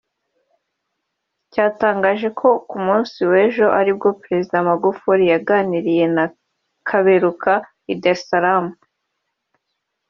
cyatangaje ko ku munsi w’ejo aribwo Perezida Magufuli yaganiriye na Kaberuka i Dar es Salaam